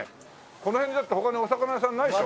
この辺にだって他にお魚屋さんないでしょ？